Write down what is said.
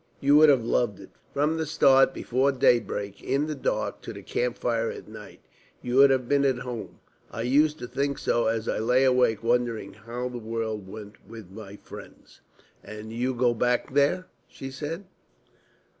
"You would have loved it from the start before daybreak, in the dark, to the camp fire at night. You would have been at home. I used to think so as I lay awake wondering how the world went with my friends." "And you go back there?" she said.